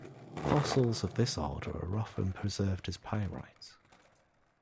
Fossils of this order are often preserved as pyrite.